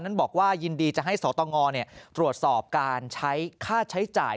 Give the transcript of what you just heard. บอกว่ายินดีจะให้สตงตรวจสอบการใช้ค่าใช้จ่าย